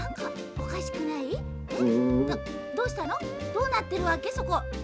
どうなってるわけそこ？